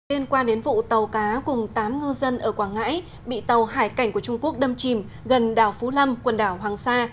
liên quan đến vụ tàu cá cùng tám ngư dân ở quảng ngãi bị tàu hải cảnh của trung quốc đâm chìm gần đảo phú lâm quần đảo hoàng sa